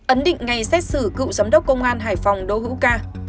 ấn định ngày xét xử cựu giám đốc công an hải phòng đỗ hữu ca